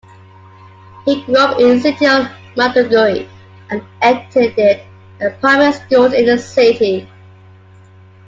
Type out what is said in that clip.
He grew up in city of Maiduguri and attended primary schools in the city.